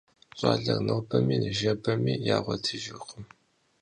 ЩӀалэр нобэми ныжэбэми ягъуэтыжыркъым.